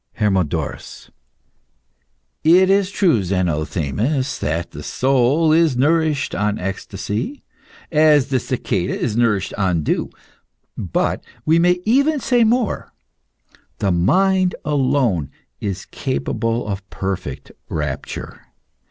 HERMODORUS. It is true, Zenothemis, that the soul is nourished on ecstasy, as the cicada is nourished on dew. But we may even say more: the mind alone is capable of perfect rapture.